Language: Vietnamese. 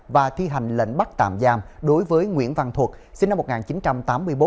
và thi hành lệnh bắt tạm giam đối với nguyễn văn thuật sinh năm một nghìn chín trăm tám mươi bốn